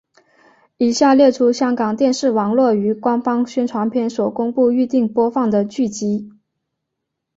以下列出香港电视网络于官方宣传片所公布预定播放的剧集。